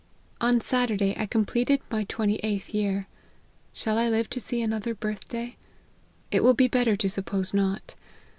On Saturday, I completed my twenty eighth year. Shall I live to see another birth day ? it will be better ,to suppose not.